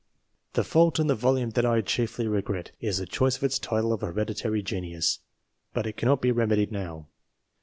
The fault in the volume that I chiefly regret is the choice of its title of Hereditary Genius, but it cannot be remedied now.